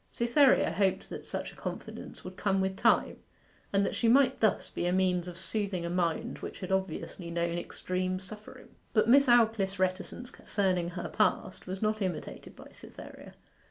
Cytherea hoped that such a confidence would come with time, and that she might thus be a means of soothing a mind which had obviously known extreme suffering. But Miss Aldclyffe's reticence concerning her past was not imitated by Cytherea.